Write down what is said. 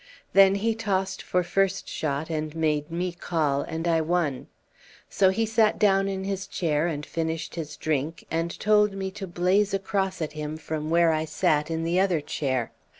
"Then he tossed for first shot, and made me call, and I won. So he sat down in his chair and finished his drink, and told me to blaze across at him from where I sat in the other chair.